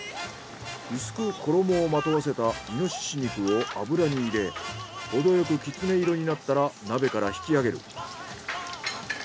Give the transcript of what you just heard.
薄く衣をまとわせたイノシシ肉を油に入れほどよくきつね色になったら鍋から引き上げる。